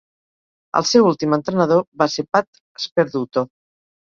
El seu últim entrenador va ser Pat Sperduto.